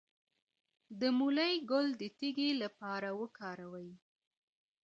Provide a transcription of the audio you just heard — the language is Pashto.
د مولی ګل د تیږې لپاره وکاروئ